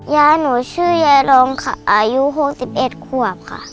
ยายหนูชื่อยายรองค่ะอายุ๖๑ขวบค่ะ